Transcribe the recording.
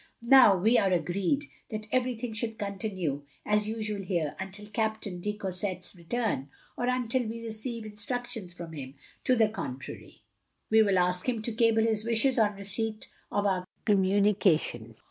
Now we are agreed that ever3rthing should continue as usual here until Captain de Courset's return, or until we receive instructions from him to the contrary. We will ask him to cable his wishes on receipt of our communication."